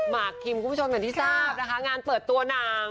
หิมคุณผู้ชมอย่างที่ทราบนะคะงานเปิดตัวหนัง